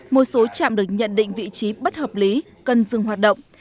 một số trạm được nhận định vị trí bất hợp lý cần dừng hoạt động